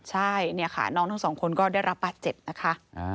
ใช่เนี่ยค่ะน้องทั้งสองคนก็ได้รับบาดเจ็บนะคะ